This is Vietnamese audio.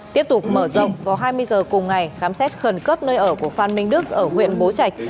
tiếp tục mở rộng vào hai mươi h cùng ngày khám xét khẩn cấp nơi ở của phan minh đức ở huyện bố trạch